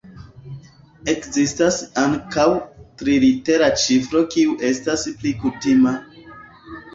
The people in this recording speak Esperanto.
Ekzistas ankaŭ trilitera ĉifro kiu estas pli kutima.